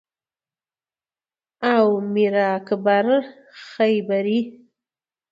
او میر اکبر خیبری